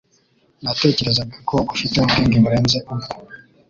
Natekerezaga ko ufite ubwenge burenze ubwo.